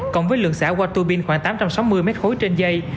cộng với lượng xả qua tui bin khoảng tám trăm sáu mươi mét khối trên dây